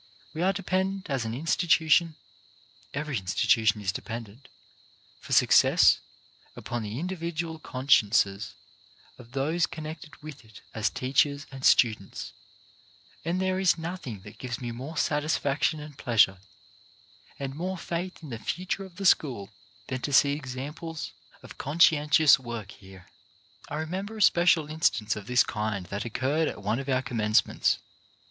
We are dependent as an institution — every institution is dependent — for success, upon the individual consciences of those connected with it as teachers and students ; and there is nothing that gives me more satisfaction and pleasure, and more faith in the future of the school, than to see examples of conscientious work here. I remember a special instance of this kind that occurred at one of our Commencements.